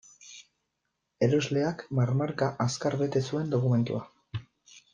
Erosleak marmarka, azkar bete zuen dokumentua.